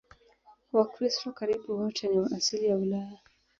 Wakristo karibu wote ni wa asili ya Ulaya.